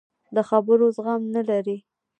د خبرو زغم نه لري.